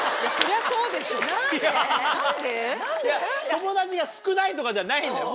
友だちが少ないとかじゃないんだよ。